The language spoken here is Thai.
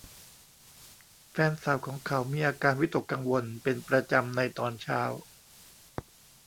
แฟนสาวของเขามีอาการวิตกกังวลเป็นประจำในตอนเช้า